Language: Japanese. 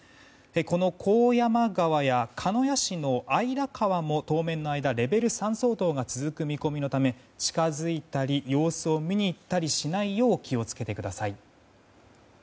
この高山川や鹿屋市の姶良川も当面の間レベル３相当が続く見込みのため近づいたり様子を見に行ったりしないよう気を付けてください。